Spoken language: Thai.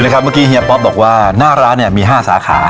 ที่เฮียป๊อปบอกว่าหน้าร้านเนี่ยมี๕สาขา